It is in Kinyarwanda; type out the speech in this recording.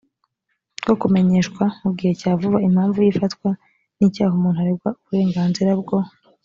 bwo kumenyeshwa mu gihe cya vuba impamvu y ifatwa n icyaha umuntu aregwa uburenganzira bwo